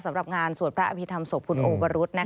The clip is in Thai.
สำหรับงานสวดพระอภิษฐรรศพคุณโอวรุษ